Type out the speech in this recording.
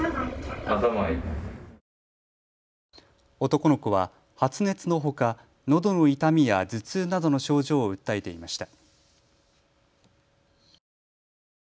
男の子は発熱のほか、のどの痛みや頭痛などの症状を訴えていました。